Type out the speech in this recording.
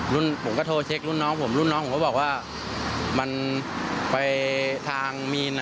ผมก็โทรเช็ครุ่นน้องผมรุ่นน้องผมก็บอกว่ามันไปทางมีนอ่ะ